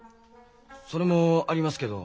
それもありますけど。